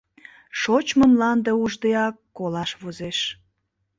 — Шочмо мланде уждеак колаш возеш.